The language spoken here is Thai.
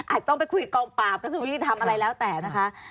อาจต้องไปคุยกองปราบก็สมมุติทำอะไรแล้วแต่นะคะ